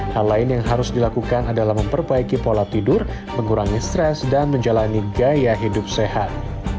hal lain yang harus dilakukan adalah memperbaiki pola tidur mengurangi stres dan menjalani gaya hidup sehat